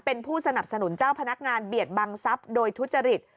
เป็นผู้สนับสนุนเจ้าพนักงานเบียดบังทรัพย์โดยทุจริต